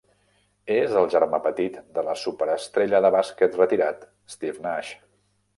És el germà petit de la superestrella de bàsquet retirat Steve Nash.